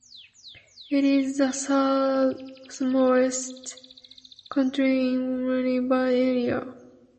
It is the third-smallest county in Wyoming by area.